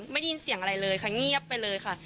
ไม่ได้ยินเสียงอะไรเลยค่ะเงียบไปเลยค่ะ